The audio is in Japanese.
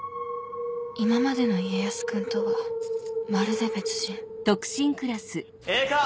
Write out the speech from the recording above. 今までの家康君とはまるで別人ええか？